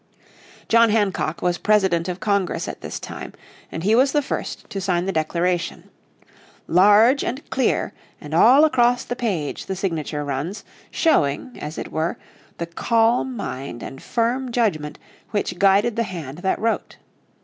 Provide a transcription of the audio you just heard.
John Hancock was President of Congress at this time, and he was the first to sign the declaration. Large, and clear, and all across the page the signature runs, showing, as it were, the calm mind and firm judgment which guided the hand that wrote.